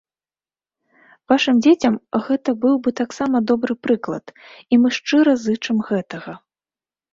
Вашым дзецям гэта быў бы таксама добры прыклад, і мы шчыра зычым гэтага.